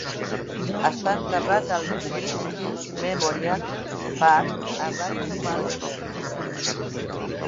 Està enterrat al Green Hills Memorial Park a Rancho Palos Verdes.